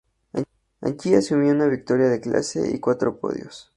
Allí sumó una victoria de clase y cuatro podios.